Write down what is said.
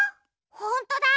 ほんとだ！